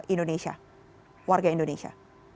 indonesia warga indonesia